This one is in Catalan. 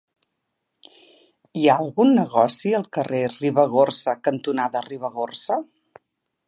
Hi ha algun negoci al carrer Ribagorça cantonada Ribagorça?